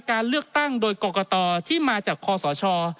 การเลือกตั้งโดยกรกตที่มาจากคอสช